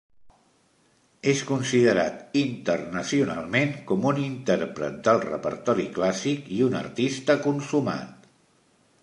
És considerat internacionalment com un intèrpret del repertori clàssic i un artista consumat.